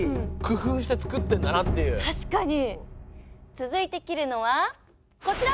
続いて切るのはこちら！